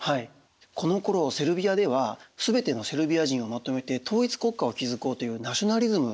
このころセルビアではすべてのセルビア人をまとめて統一国家を築こうというナショナリズムが高揚していました。